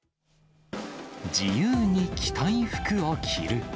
自由に着たい服を着る。